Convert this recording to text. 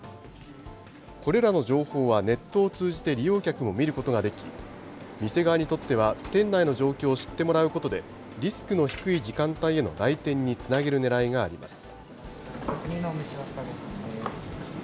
これらの情報はネットを通じて利用客も見ることができ、店側にとっては、店内の状況を知ってもらうことで、リスクの低い時間帯への来店につなげるねらいがあります。